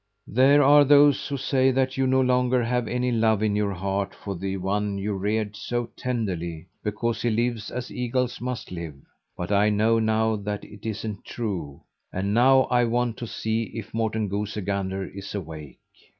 "There are those who say that you no longer have any love in your heart for the one you reared so tenderly, because he lives as eagles must live. But I know now that it isn't true. And now I want to see if Morten Goosey Gander is awake.